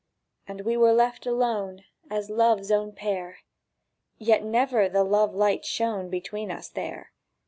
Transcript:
And we were left alone As Love's own pair; Yet never the love light shone Between us there!